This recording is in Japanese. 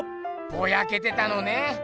ボヤけてたのね。